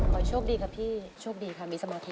ขอโชคดีครับพี่โชคดีครับมีสมาธิ